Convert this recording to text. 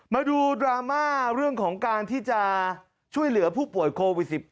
มาดูดราม่าเรื่องของการที่จะช่วยเหลือผู้ป่วยโควิด๑๙